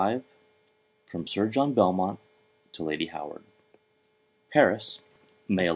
LETTER XXXV SIR JOHN BELMONT TO LADY HOWARD Paris, May 11.